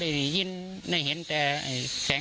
ไม่รู้จริงว่าเกิดอะไรขึ้น